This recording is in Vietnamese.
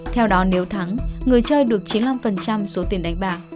theo đó nếu thắng người chơi được chín mươi năm số tiền đánh bạc